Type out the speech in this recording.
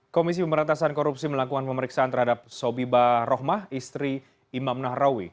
komisi pemberantasan korupsi melakukan pemeriksaan terhadap sobibah rohmah istri imam nahrawi